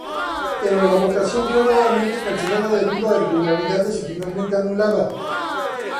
Pero la votación fue nuevamente cancelada debido a irregularidades y finalmente anulada.